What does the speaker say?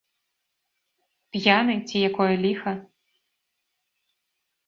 П'яны, ці якое ліха?